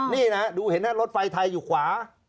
นี่นะดูเห็นนะรถไฟไทยอยู่ขวา